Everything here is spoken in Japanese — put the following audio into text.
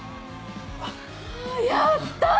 あやった！